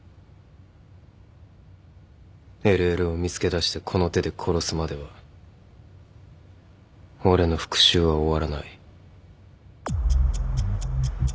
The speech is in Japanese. ＬＬを見つけだしてこの手で殺すまでは俺の復讐は終わらない。